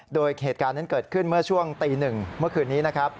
โดยเหตุการณ์นั้นเกิดขึ้นเมื่อช่วงตี๑เมื่อคืนนี้นะครับ